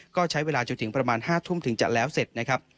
ก็ใช้เวลาจนถึงประมาณ๕ทุ่มถึงจะแล้วเสร็จนะครับ